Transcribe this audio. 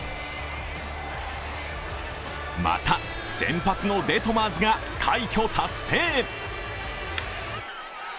また、先発のデトマーズが快挙達成